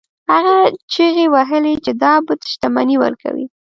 هغه چیغې وهلې چې دا بت شتمني ورکوي.